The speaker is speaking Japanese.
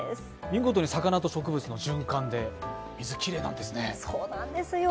見事に魚と植物の循環で水がきれいなんですね。